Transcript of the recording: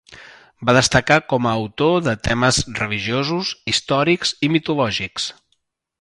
Va destacar com a autor de temes religiosos, històrics i mitològics.